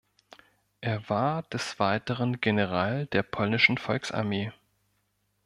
Er war des Weiteren General der Polnischen Volksarmee.